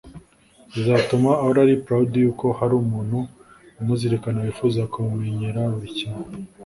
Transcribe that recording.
Bizatuma ahora ari proud y’uko hari umuntu umuzirikana wifuza kumumenyera buri kimwe